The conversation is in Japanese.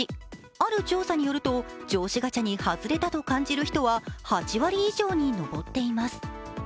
ある調査によると上司ガチャに外れたと感じる人は８割以上に上っています